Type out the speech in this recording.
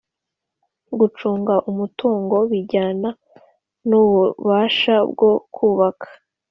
Gucunga umutungo bijyana n ububasha bwo kubaka